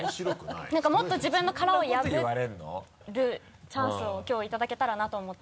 もっと自分の殻を破るチャンスをきょういただけたらなと思って。